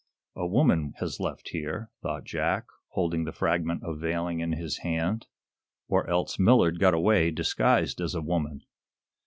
"A woman has left here," thought Jack, holding the fragment of veiling in his hand. "Or else Millard got away disguised as a woman.